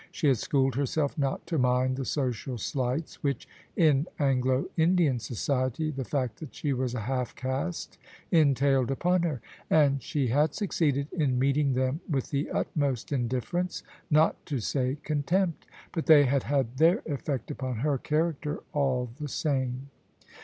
She had schooled herself not to mind the social slights which, in Anglo Indian society, the fact that she was a half caste entailed upon her ; and she had succeeded in meeting them with the utmost indifference, not to say contempt : but they had had their effect upon her character all the same.